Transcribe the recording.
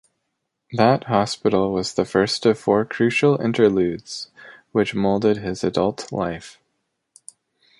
That hospital was the first of four crucial interludes, which molded his adult life.